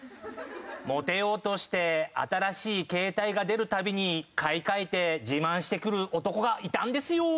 モテようとして新しい携帯が出るたびに買い替えて自慢してくる男がいたんですよ。